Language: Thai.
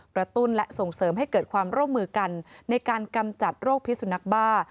ตุ้นและส่งเสริมให้เกิดความร่วมมือกันในการกำจัดโรคพิสุนักบ้า